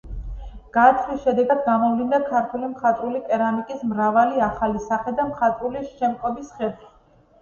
გათხრის შედეგად გამოვლინდა ქართული მხატვრული კერამიკის მრავალი ახალი სახე და მხატვრული შემკობის ხერხი.